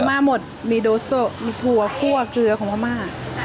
มาหมดมีโดโซมีถั่วคั่วเกลือของพม่า